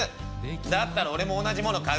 「だったら俺も同じもの買う」。